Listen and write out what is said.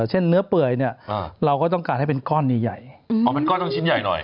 เช่นเนื้อเปื่อยเนี่ยเราก็ต้องการให้เป็นก้อนใหญ่อ๋อเป็นก้อนต้องชิ้นใหญ่หน่อย